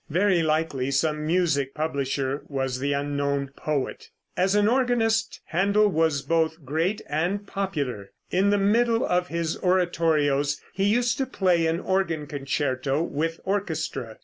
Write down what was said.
Very likely some music publisher was the unknown poet. As an organist Händel was both great and popular. In the middle of his oratorios he used to play an organ concerto with orchestra.